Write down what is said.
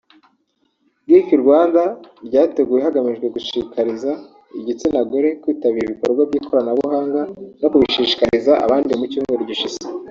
Geek Rwanda ryateguwe hagamijwe gushikariza igitsina gore kwitabira ibikorwa by’ikoranabuhanga no kubishishikariza abandi mu cyumweru gishize